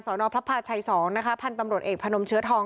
สอนอพระพาชัยสองนะคะพันตำรวจเอกพนมเชื้อทอง